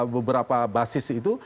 beberapa basis itu